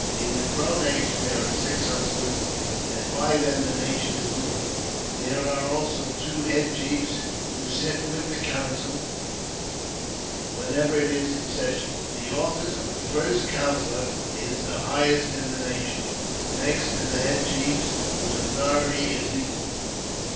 In the Crow nation there ,are six counsellors, and by them the nation is ruled. There I are also two head chiefs, who sit with the counsel whenever it is in session. The office of first counsellor is the highest in the nation, next to the head chiefs, whose authority is equal.